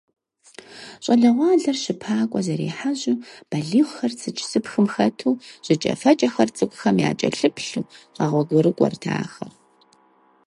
ЩӀалэгъуалэр щыпакӀуэ зэрехьэжьэу, балигъхэр цыдж–цыпхым хэту, жыкӀэфэкӀэхэр цӀыкӀухэм якӀэлъыплъу къэгъуэгурыкӀуэрт ахэр.